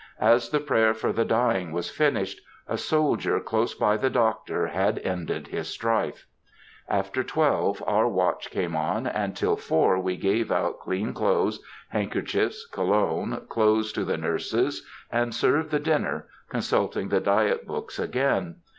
As the prayer for the dying was finished, a soldier close by the Doctor had ended his strife. After twelve, our watch came on, and till four we gave out clean clothes, handkerchiefs, cologne, clothes to the nurses, and served the dinner, consulting the diet books again.